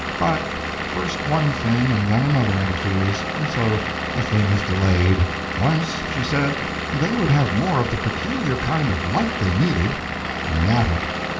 But first one thing and then another interferes, and so the thing is delayed. Once she said they would have more of the peculiar kind of light they needed in the attic.